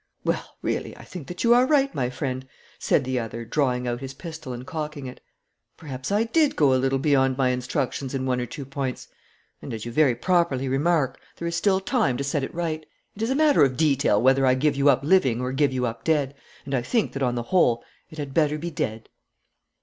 'Well, really, I think that you are right, my friend,' said the other, drawing out his pistol and cocking it. 'Perhaps I did go a little beyond my instructions in one or two points, and, as you very properly remark, there is still time to set it right. It is a matter of detail whether I give you up living or give you up dead, and I think that, on the whole, it had better be dead.'